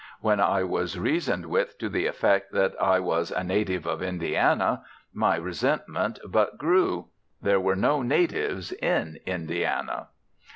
When I was reasoned with to the effect that I was a native of Indiana, my resentment but grew. There were no natives in Indiana.